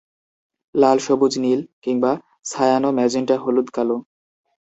লাল-সবুজ-নীল কিংবা সায়ান-ম্যাজেন্টা-হলুদ-কালো।